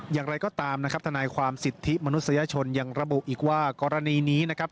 อย่างไรก็ตามนะครับทนายความสิทธิมนุษยชนยังระบุอีกว่ากรณีนี้นะครับ